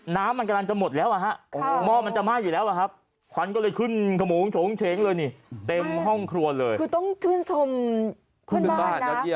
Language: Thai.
น้ำมันกำลังทิ้งไป